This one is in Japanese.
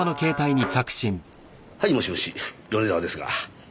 はいもしもし米沢ですが。